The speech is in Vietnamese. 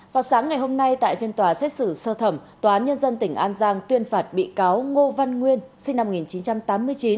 vào sáng ngày hôm nay tại phiên tòa xét xử sơ thẩm tòa án nhân dân tỉnh an giang tuyên phạt bị cáo ngô văn nguyên sinh năm một nghìn chín trăm tám mươi chín